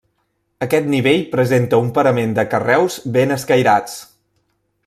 Aquest nivell presenta un parament de carreus ben escairats.